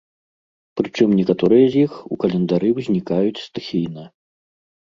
Прычым некаторыя з іх у календары ўзнікаюць стыхійна.